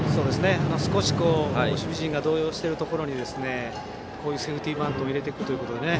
少し守備陣が動揺しているところにこういうセーフティーバントを入れてくるということで。